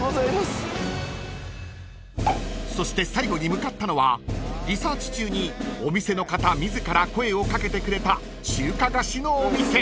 ［そして最後に向かったのはリサーチ中にお店の方自ら声を掛けてくれた中華菓子のお店］